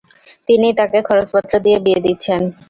তিনিই তাকে খরচপত্র দিয়ে বিয়ে দিচ্ছেন।